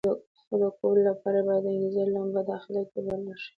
خو د کولو لپاره یې باید د انګېزې لمبه داخله کې بله شي.